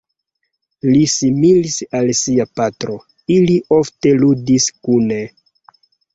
Li similis al sia patro, ili ofte ludis kune.